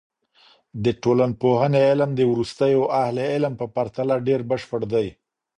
د ټولنپوهنې علم د وروستیو اهل علم په پرتله ډېر بشپړ دی.